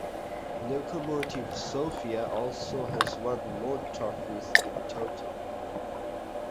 Lokomotiv Sofia also has won more trophies in total.